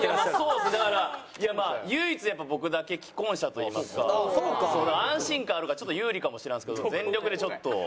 そうですねだから唯一僕だけ既婚者といいますか安心感あるからちょっと有利かもしらんですけど全力でちょっと。